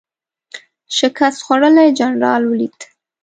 شکست خوړلی جنرال ولید.